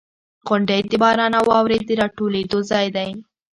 • غونډۍ د باران او واورې د راټولېدو ځای دی.